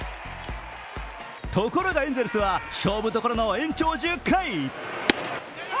ところがエンゼルスは、勝負どころの延長１０回。